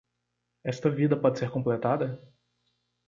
Esta vida pode ser completada?